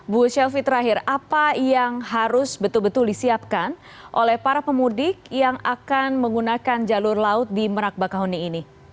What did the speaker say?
bu shelfie terakhir apa yang harus betul betul disiapkan oleh para pemudik yang akan menggunakan jalur laut di merak bakahuni ini